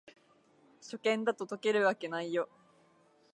初見だと解けるわけないよ